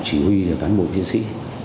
chỉ huy và cán bộ chiến sĩ